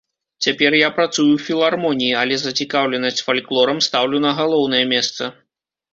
Цяпер я працую ў філармоніі, але зацікаўленасць фальклорам стаўлю на галоўнае месца.